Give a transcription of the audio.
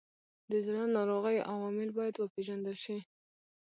د زړه ناروغیو عوامل باید وپیژندل شي.